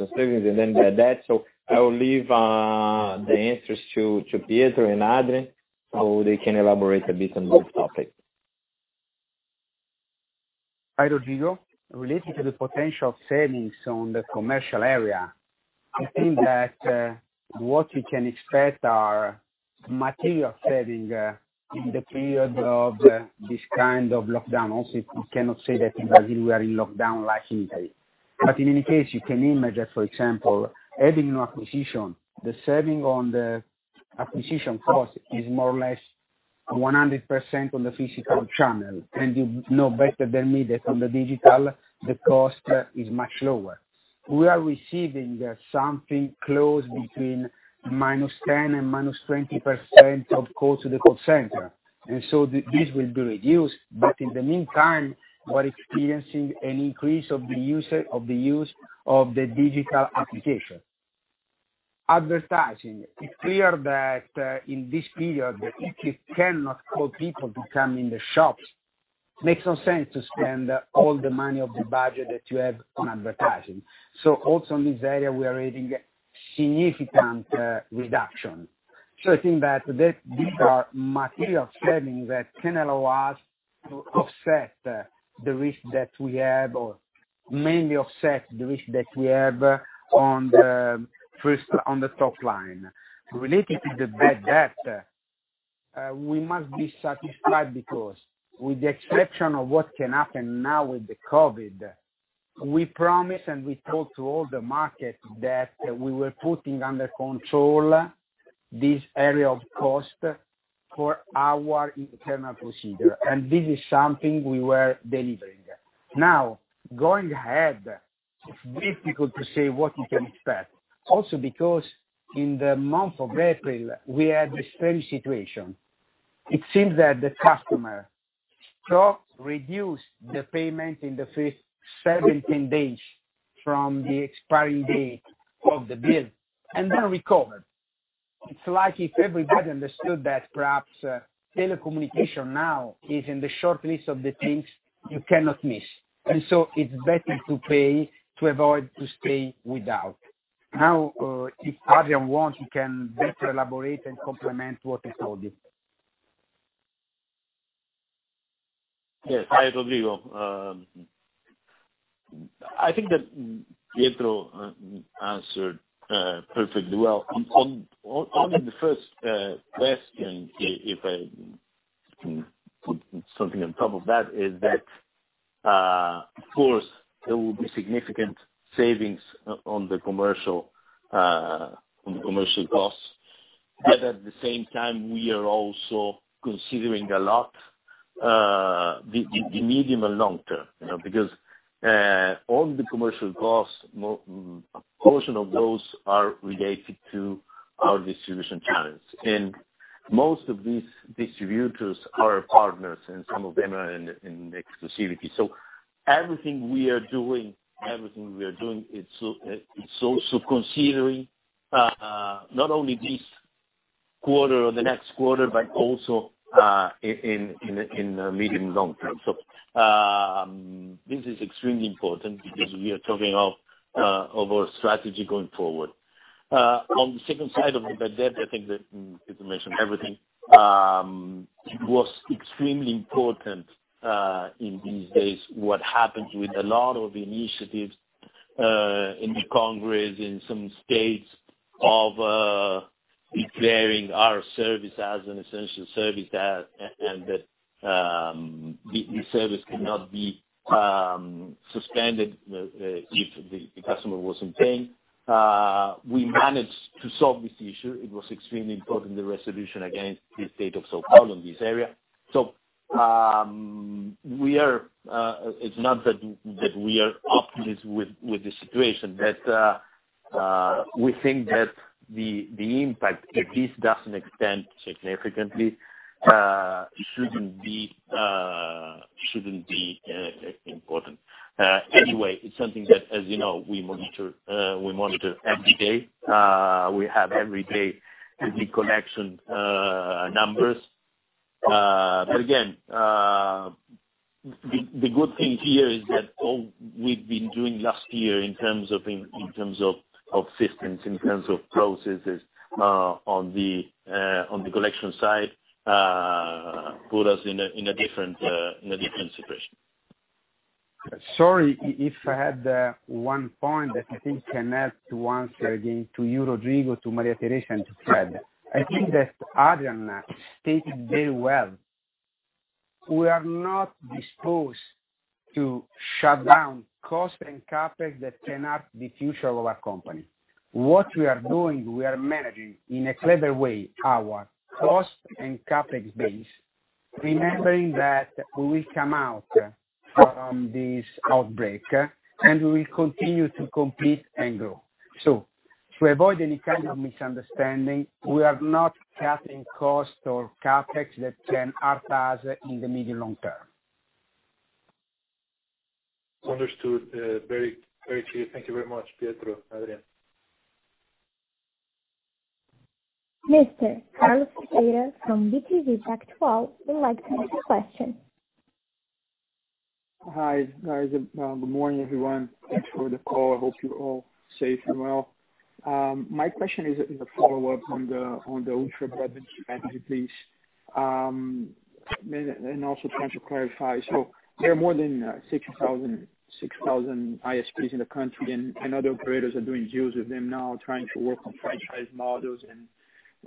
savings, and then the debt. I will leave the answers to Pietro and Adrian, so they can elaborate a bit on both topics. Hi, Rodrigo. Related to the potential savings on the commercial area, I think that what we can expect are material savings in the period of this kind of lockdown. We cannot say that in Brazil we are in lockdown like Italy. In any case, you can imagine, for example, adding new acquisition, the saving on the acquisition cost is more or less 100% on the physical channel, and you know better than me that on the digital, the cost is much lower. We are receiving something close between -10% and -20% of calls to the call center, this will be reduced. In the meantime, we're experiencing an increase of the use of the digital application. Advertising. It's clear that in this period, if you cannot call people to come in the shops, it makes no sense to spend all the money of the budget that you have on advertising. Also in this area, we are having a significant reduction. I think that these are material savings that can allow us to offset the risk that we have, or mainly offset the risk that we have on the top line. Related to the bad debt, we must be satisfied because with the exception of what can happen now with the COVID-19, we promised and we told to all the market that we were putting under control this area of cost for our internal procedure, and this is something we were delivering. Now, going ahead, it's difficult to say what you can expect. Also, because in the month of April, we had the same situation. It seems that the customer dropped, reduced the payment in the first 17 days from the expiry date of the bill and then recovered. It's like if everybody understood that perhaps telecommunication now is in the short list of the things you cannot miss. It's better to pay to avoid to stay without. Now, if Adrian wants, he can better elaborate and complement what I said. Yes. Hi, Rodrigo. I think that Pietro answered perfectly well. On the first question, if I can put something on top of that, is that, of course, there will be significant savings on the commercial costs. At the same time, we are also considering a lot the medium and long term. Because all the commercial costs, a portion of those are related to our distribution channels. Most of these distributors are partners, and some of them are in exclusivity. Everything we are doing is also considering not only this quarter or the next quarter, but also in the medium and long term. This is extremely important because we are talking of our strategy going forward. On the second side of the bad debt, I think that Pietro mentioned everything. It was extremely important in these days what happened with a lot of initiatives in the Congress, in some states, of declaring our service as an essential service, and that the service could not be suspended if the customer wasn't paying. We managed to solve this issue. It was extremely important, the resolution against the state of São Paulo in this area. It's not that we are optimistic with the situation, but we think that the impact, if this doesn't extend significantly, it shouldn't be important. It's something that, as you know, we monitor every day. We have every day the collection numbers. Again, the good thing here is that all we've been doing last year in terms of systems, in terms of processes on the collection side put us in a different situation. Sorry. If I add one point that I think can help to answer again to you, Rodrigo, to Maria Tereza, and to Fred. I think that Adrian stated very well. We are not disposed to shut down cost and CapEx that can hurt the future of our company. What we are doing, we are managing in a clever way our cost and CapEx base, remembering that we come out from this outbreak, and we will continue to compete and grow. To avoid any kind of misunderstanding, we are not cutting costs or CapEx that can hurt us in the medium long term. Understood. Very clear. Thank you very much, Pietro, Adrian. Mr. Carlos Sequeira from BTG Pactual would like to ask a question. Hi. Good morning, everyone. Thanks for the call. I hope you're all safe and well. My question is a follow-up on the ultra-broadband strategy, please. Also trying to clarify. There are more than 6,000 ISPs in the country, and other operators are doing deals with them now, trying to work on franchise models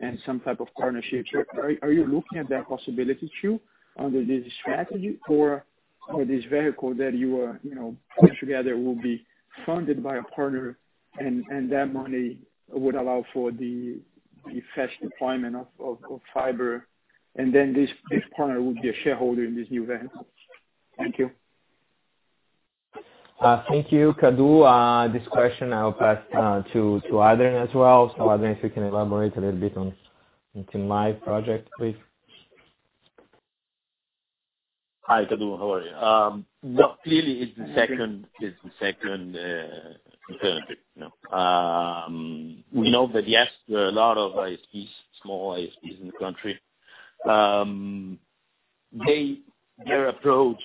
and some type of partnerships. Are you looking at that possibility, too, under this strategy? This vehicle that you are putting together will be funded by a partner, and that money would allow for the fast deployment of fiber, and then this partner would be a shareholder in this new venture? Thank you. Thank you, Carlos. This question I'll pass to Adrian as well. Adrian, if you can elaborate a little bit on TIM Live project, please. Hi, Carlos. How are you? Clearly, it's the second alternative. We know that, yes, there are a lot of small ISPs in the country. Their approach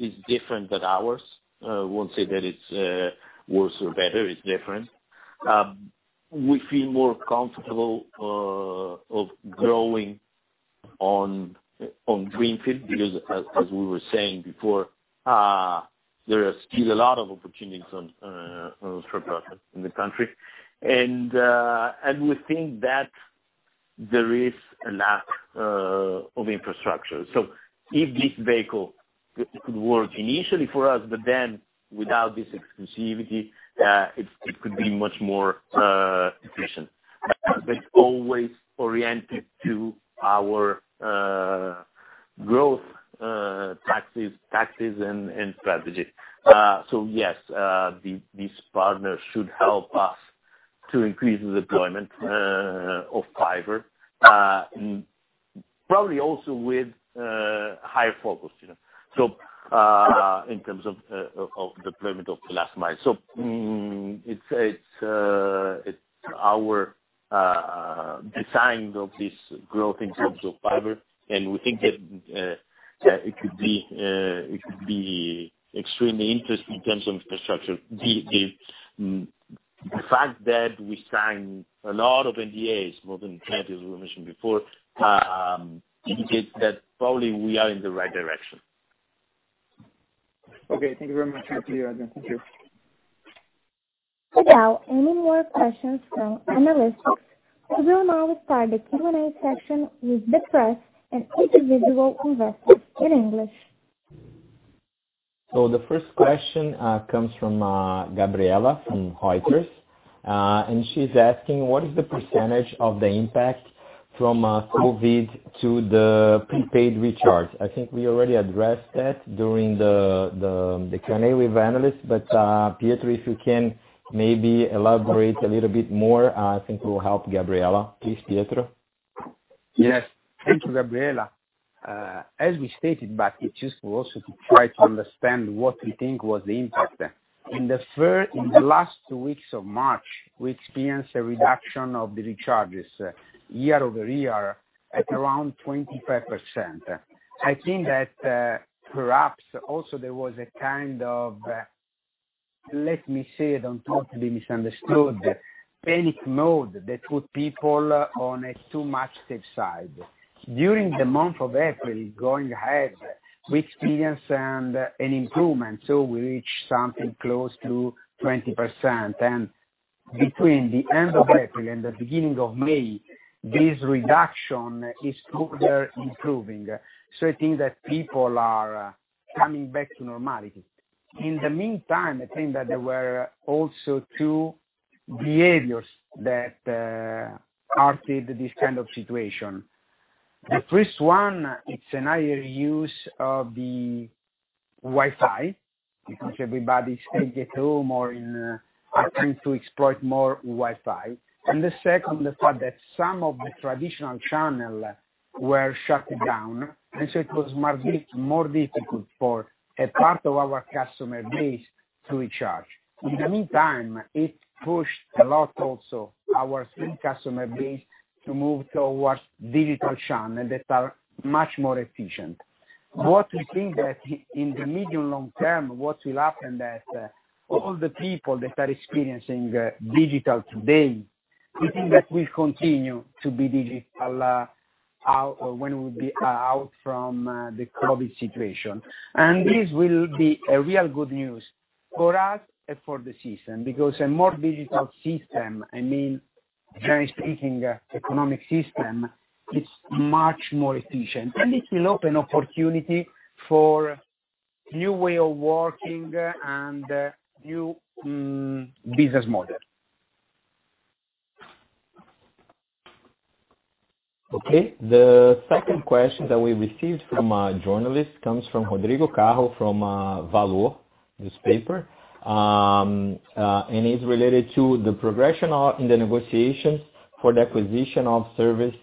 is different than ours. I won't say that it's worse or better. It's different. We feel more comfortable of growing on greenfield because, as we were saying before, there are still a lot of opportunities on ultra-broadband in the country. We think that there is a lack of infrastructure. If this vehicle could work initially for us, without this exclusivity, it could be much more efficient. Always oriented to our growth targets and strategy. Yes, this partner should help us to increase the deployment of fiber, probably also with higher focus in terms of deployment of the last mile. It's our design of this growth in terms of fiber, and we think that it could be extremely interesting in terms of infrastructure. The fact that we signed a lot of NDAs, more than 20, as we mentioned before, indicates that probably we are in the right direction. Okay. Thank you very much, Adrian. Thank you. Without any more questions from analysts, we will now start the Q&A session with the press and individual investors in English. The first question comes from Gabriela from Reuters. She's asking: What is the percentage of the impact from COVID to the prepaid recharge? I think we already addressed that during the Q&A with analysts. Pietro, if you can maybe elaborate a little bit more, I think it will help Gabriela. Please, Pietro. Yes. Thank you, Gabriela. As we stated back, it is useful also to try to understand what we think was the impact. In the last two weeks of March, we experienced a reduction of the recharges year-over-year at around 25%. I think that perhaps also there was a kind of, let me say it, and not to be misunderstood, panic mode that put people on a too-much safe side. During the month of April, going ahead, we experienced an improvement, so we reached something close to 20%. Between the end of April and the beginning of May, this reduction is further improving. I think that people are coming back to normality. In the meantime, I think that there were also two behaviors that, altered this kind of situation. The first one, it's a higher use of the Wi-Fi, because everybody stay at home or in trying to exploit more Wi-Fi. The second, the fact that some of the traditional channel were shut down, so it was more difficult for a part of our customer base to recharge. In the meantime, it pushed a lot also our customer base to move towards digital channel that are much more efficient. What we think that in the medium long term, what will happen that all the people that are experiencing digital today, we think that will continue to be digital when we will be out from the COVID situation. This will be a real good news for us and for the season, because a more digital system, I mean, generally speaking, economic system, is much more efficient. It will open opportunity for new way of working and new business model. Okay. The second question that we received from a journalist comes from Rodrigo Carro from Valor Econômico. It's related to the progression in the negotiations for the acquisition of service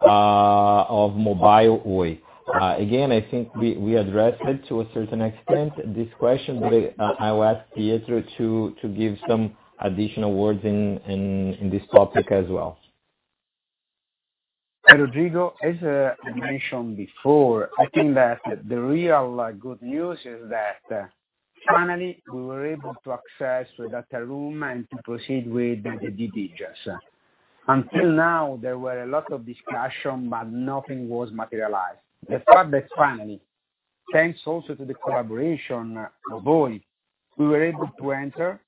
of mobile Oi. Again, I think we addressed it to a certain extent, this question, but I will ask Pietro to give some additional words in this topic as well. Rodrigo, as I mentioned before, I think that the real good news is that finally we were able to access the data room and to proceed with the due diligence. Until now, there were a lot of discussion. Nothing was materialized. The fact that finally, thanks also to the collaboration of Oi, we were able to enter.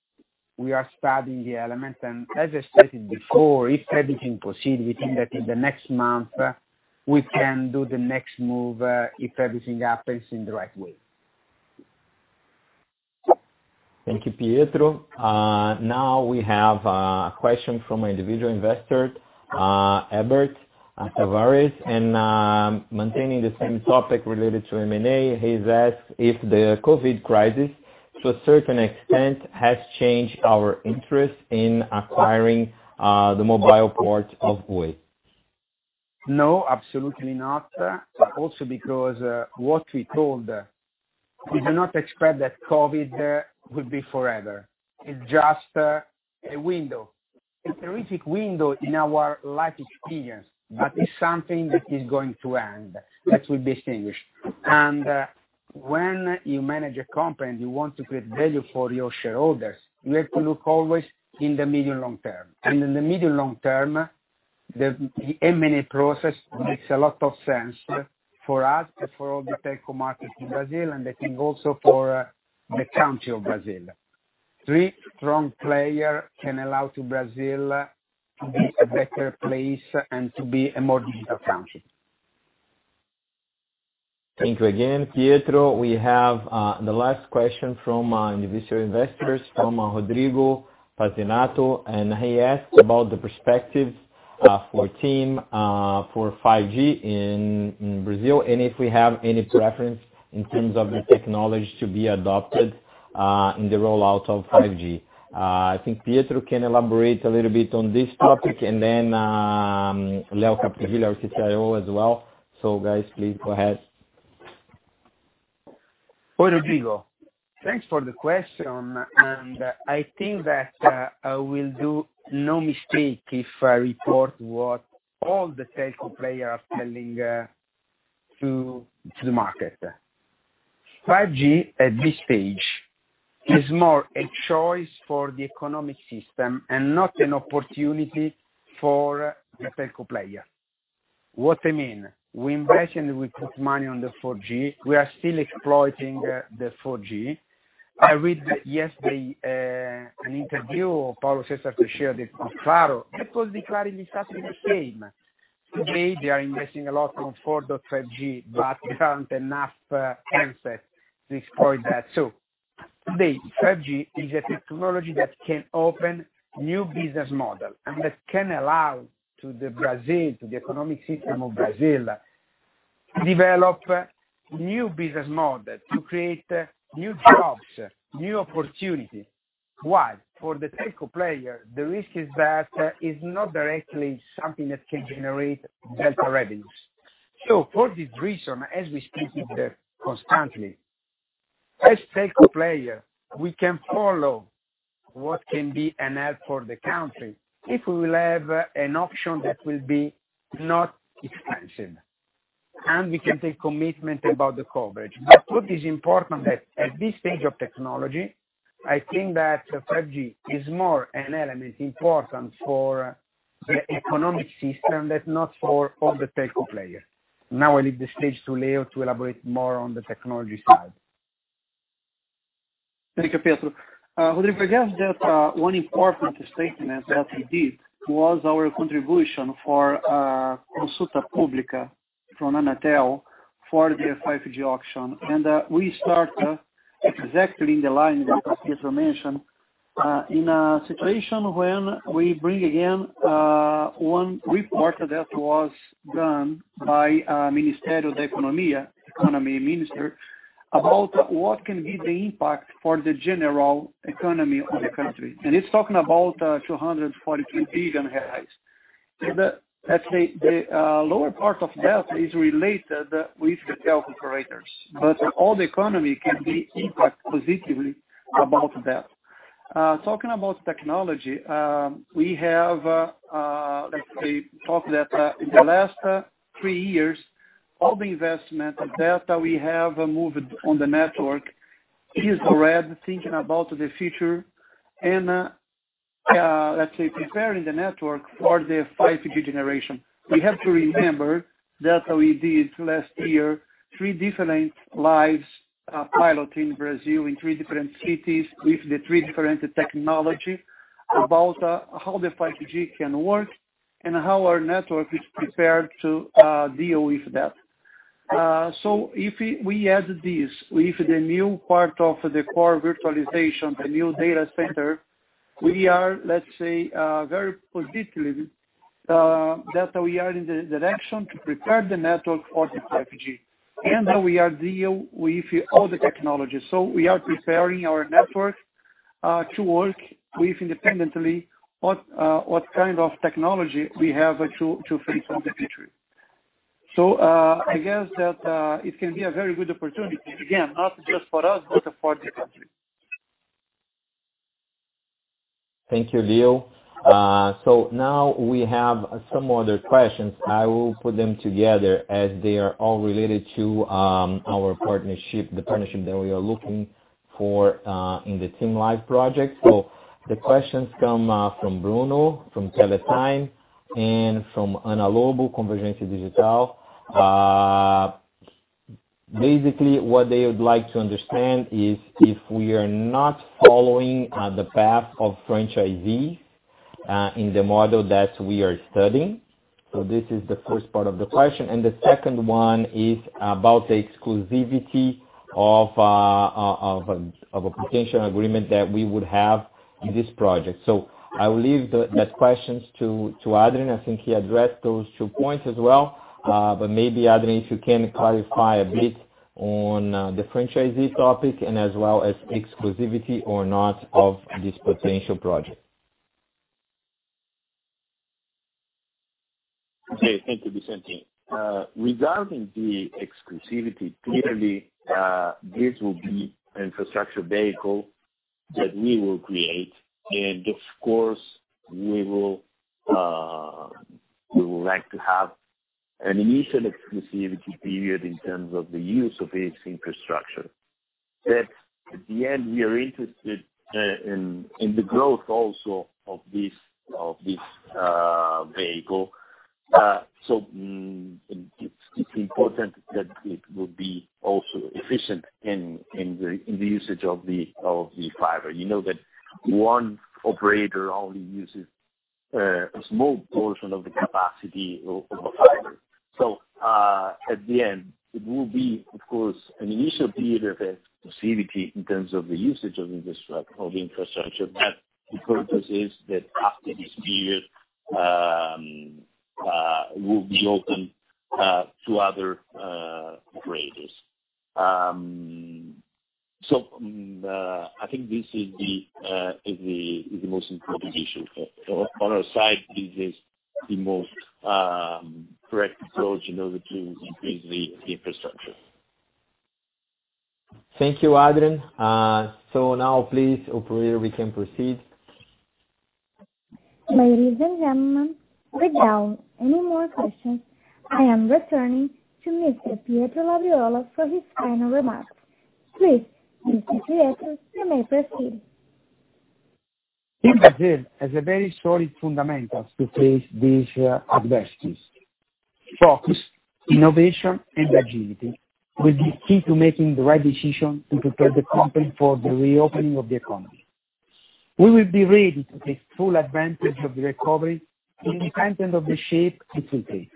We are studying the elements. As I stated before, if everything proceed, we think that in the next month, we can do the next move, if everything happens in the right way. Thank you, Pietro. Now we have a question from an individual investor, Albert Tavares. Maintaining the same topic related to M&A, he's asked if the COVID crisis to a certain extent has changed our interest in acquiring the mobile part of Oi. No, absolutely not. Because what we told, we do not expect that COVID will be forever. It's just a window, a terrific window in our life experience, but it's something that is going to end, that will be extinguished. When you manage a company and you want to create value for your shareholders, you have to look always in the medium long term. In the medium long term, the M&A process makes a lot of sense for us and for all the telco market in Brazil, and I think also for the country of Brazil. Three strong players can allow Brazil to be a better place and to be a modern country. Thank you again, Pietro. We have the last question from individual investors, from Rodrigo Patinato, and he asks about the perspectives for TIM for 5G in Brazil, and if we have any preference in terms of the technology to be adopted in the rollout of 5G. I think Pietro can elaborate a little bit on this topic and then Leo Capdeville, our CTIO as well. Guys, please go ahead. Hi, Rodrigo. Thanks for the question. I think that I will do no mistake if I report what all the telco players are selling to the market. 5G at this stage is more a choice for the economic system and not an opportunity for the telco player. What I mean, we invest and we put money on the 4G. We are still exploiting the 4G. I read yesterday an interview of Paulo César de Souza e Castro. People declaring exactly the same. Today, they are investing a lot on 4.5G, there aren't enough handsets to exploit that. Today, 5G is a technology that can open new business model and that can allow Brazil, the economic system of Brazil, to develop new business model, to create new jobs, new opportunities. Why? For the telco player, the risk is that is not directly something that can generate delta revenues. For this reason, as we stated constantly, as telco player, we can follow what can be an help for the country if we will have an option that will be not expensive. We can take commitment about the coverage. What is important that at this stage of technology, I think that 5G is more an element important for the economic system, that not for all the telco players. Now I leave the stage to Leo to elaborate more on the technology side. Thank you, Pietro. Rodrigo, I guess that one important statement that we did was our contribution for Consulta Pública from Anatel for the 5G auction. We start exactly in the lines that Pietro mentioned, in a situation when we bring again, one report that was done by Ministério da Economia, economy minister, about what can be the impact for the general economy of the country. It's talking about 243 billion reais. Let's say the lower part of that is related with the telco operators. All the economy can be impact positively about that. Talking about technology, we have, let's say, talked that in the last three years, all the investment that we have moved on the network is already thinking about the future and preparing the network for the 5G generation. We have to remember that we did last year three different live pilot in Brazil, in three different cities with the three different technology about how the 5G can work and how our network is prepared to deal with that. If we add this with the new part of the core virtualization, the new data center, we are, let's say, very positively that we are in the direction to prepare the network for the 5G. That we are deal with all the technologies. We are preparing our network, to work with independently what kind of technology we have to face in the future. I guess that it can be a very good opportunity. Again, not just for us, but for the country. Thank you, Leo. Now we have some other questions. I will put them together as they are all related to our partnership, the partnership that we are looking for in the TIM Live project. The questions come from Bruno, from Teletime, and from Ana Lobo, Convergência Digital. Basically, what they would like to understand is if we are not following the path of franchisee in the model that we are studying. This is the first part of the question. The second one is about the exclusivity of a potential agreement that we would have in this project. I will leave that questions to Adrian. I think he addressed those two points as well. Maybe, Adrian, if you can clarify a bit on the franchisee topic and as well as exclusivity or not of this potential project. Okay. Thank you, Vicente. Regarding the exclusivity, clearly, this will be infrastructure vehicle that we will create. Of course, we will like to have an initial exclusivity period in terms of the use of this infrastructure. At the end, we are interested in the growth also of this vehicle. It's important that it will be also efficient in the usage of the fiber. You know that one operator only uses a small portion of the capacity of the fiber. At the end, it will be, of course, an initial period of exclusivity in terms of the usage of the infrastructure, but the purpose is that after this period, it will be open to other operators. I think this is the most important issue. On our side, this is the most correct approach in order to increase the infrastructure. Thank you, Adrian. Now, please, operator, we can proceed. Ladies and gentlemen, without any more questions, I am returning to Mr. Pietro Labriola for his final remarks. Please, Mr. Pietro, you may proceed. TIM Brasil has a very solid fundamentals to face these adversities. Focus, innovation, and agility will be key to making the right decision to prepare the company for the reopening of the economy. We will be ready to take full advantage of the recovery independent of the shape it will take.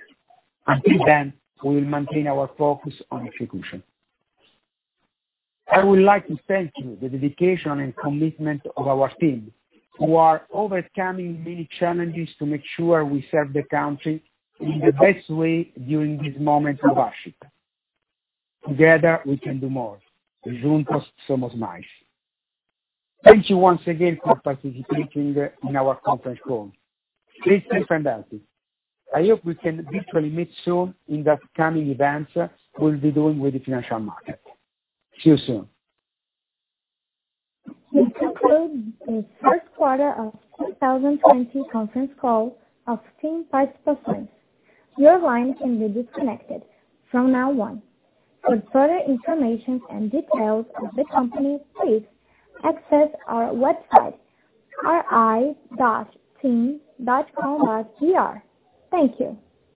Until then, we will maintain our focus on execution. I would like to thank you for the dedication and commitment of our team, who are overcoming many challenges to make sure we serve the country in the best way during this moment of hardship. Together, we can do more. Thank you once again for participating in our conference call. Please drive safely. I hope we can virtually meet soon in the upcoming events we'll be doing with the financial market. See you soon. This concludes the first quarter of 2020 conference call of TIM Participações. Your line can be disconnected from now on. For further information and details of the company, please access our website, ri.tim.com.br. Thank you.